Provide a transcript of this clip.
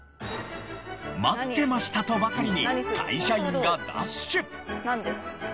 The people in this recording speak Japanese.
待ってましたとばかりに会社員がダッシュ！